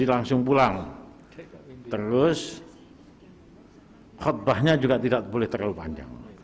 masuk pulang terus khotbahnya juga tidak boleh terlalu panjang